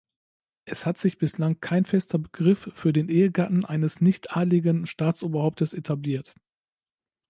Es hat sich bislang kein fester Begriff für den Ehegatten eines nichtadligen Staatsoberhauptes etabliert.